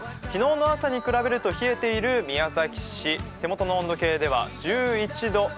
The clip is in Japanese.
昨日の朝に比べると冷えている宮崎市手元の温度計では１１度。